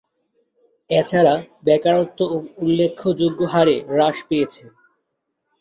এছাড়া বেকারত্ব উল্লেখযোগ্য হারে হ্রাস পেয়েছে।